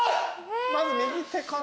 まず右手かな？